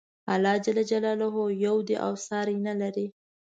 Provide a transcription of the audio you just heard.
الله ج یو دی او ساری نه لري.